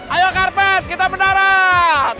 ayo karpet kita mendarat